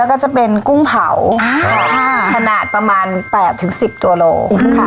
แล้วก็จะเป็นกุ้งเผาค่ะขนาดประมาณ๘๑๐ตัวโลค่ะ